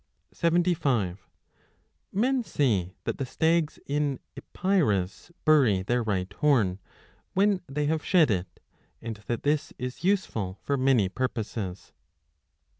75 Men say that the stags in Epirus bury their right horn, when they have shed it, and that this is useful for many purposes.